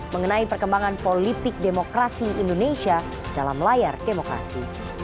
mengenai perkembangan politik demokrasi indonesia dalam layar demokrasi